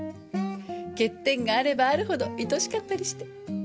欠点があればあるほど愛しかったりして。